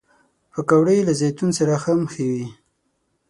پکورې له زیتون سره هم ښه وي